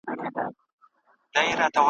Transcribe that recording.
ایله پوه سو په خپل عقل غولیدلی ,